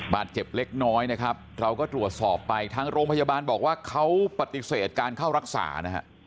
บาดเจ็บเล็กน้อยนะครับเราก็ตรวจสอบไปทางโรงพยาบาลบอกว่าเขาปฏิเสธการเข้ารักษานะฮะ